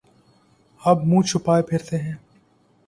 اب منہ چھپائے پھرتے ہیں۔